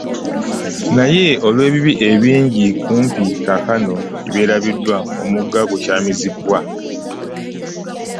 Naye olw'ebibi ebingi kumpi kaakano ebyerabiddwa, omugga gwakyamizibwa.